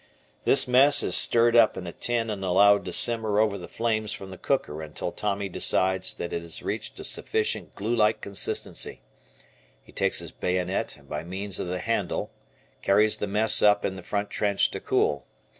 This mess is stirred up in a tin and allowed to simmer over the flames from the cooker until Tommy decides that it has reached a sufficient (glue like) consistency. He takes his bayonet and by means of the handle carries the mess up in the front trench to cool.